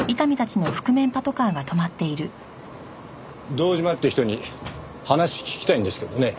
堂島って人に話聞きたいんですけどね。